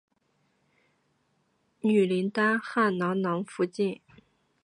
女林丹汗囊囊福晋。